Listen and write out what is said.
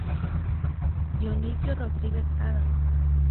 Dionisio Rodríguez, Adm.